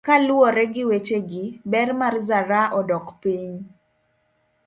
Kaluwore gi wechegi, ber mar zaraa odok piny.